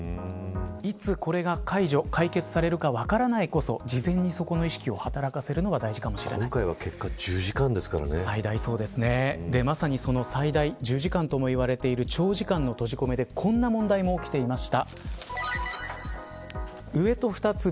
いつ、これが解除解決されるか分からないからこそ事前にそこの意識を今回はまさに、その最大１０時間ともいわれている長時間の閉じ込めでこんな問題も起きていました。